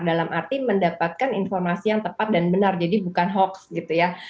dalam arti mendapatkan informasi yang tepat dan benar jadi bukan hoax gitu ya